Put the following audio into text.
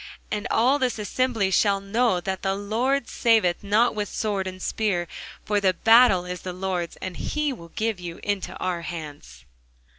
And all this assembly shall know that the Lord saveth not with sword and spear: for the battle is the Lord's, and he will give you into our hands.